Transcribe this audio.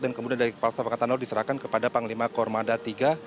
dan kemudian dari kepala staff angkatan laut diserahkan kepada panglima kormada tiga